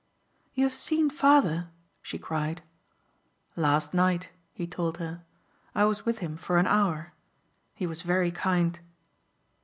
"You have seen father?" she cried. "Last night," he told her. "I was with him for an hour. He was very kind."